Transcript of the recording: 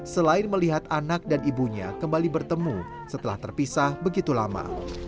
selain melihat anak dan ibunya kembali bertemu setelah terpisah begitu lama